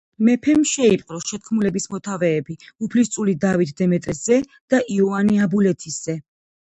მეფემ შეიპყრო შეთქმულების მოთავეები: უფლისწული დავით დემეტრეს ძე და იოანე აბულეთისძე.